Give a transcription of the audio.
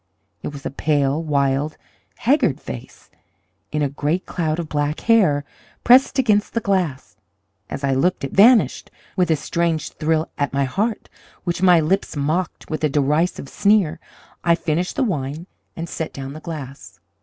It was a pale, wild, haggard face, in a great cloud of black hair, pressed against the glass. As I looked it vanished. With a strange thrill at my heart, which my lips mocked with a derisive sneer, I finished the wine and set down the glass.